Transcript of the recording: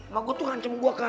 emak gue tuh ngancam gue kak